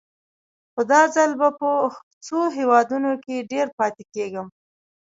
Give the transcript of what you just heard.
خو دا ځل به په څو هېوادونو کې ډېر پاتې کېږم.